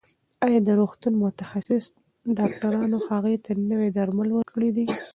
ایا د روغتون متخصص ډاکټرانو هغې ته نوي درمل ورکړي دي؟